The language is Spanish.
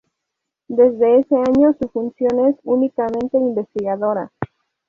Desde ese año su función es únicamente investigadora.